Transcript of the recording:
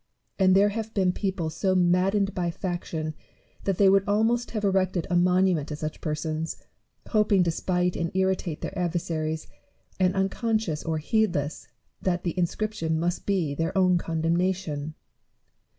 And there have been people so maddened by faction, that they would almost have erected a monument to such persons, hoping to spite and irritate their adversaries, and unconscious or heedless that the inscription must be their own condemnation.